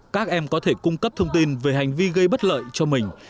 các em có thể cung cấp thông tin về hành vi gây bất lợi cho mình